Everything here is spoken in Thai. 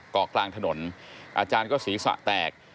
เกาะกลางถนนอาจารย์ก็ศีรษะแตก